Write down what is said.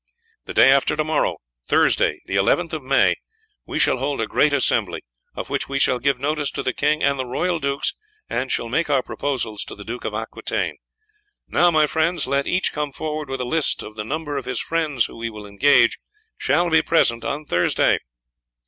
The day after to morrow, Thursday, the 11th of May, we shall hold a great assembly, of which we shall give notice to the king and the royal dukes, and shall make our proposals to the Duke of Aquitaine. Now, my friends, let each come forward with a list of the number of his friends who he will engage shall be present on Thursday."